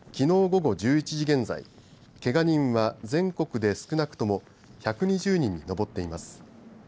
午後１１時現在けが人は全国で少なくとも１２０人に上っています。